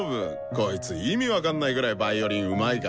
こいつ意味分かんないぐらいヴァイオリンうまいから。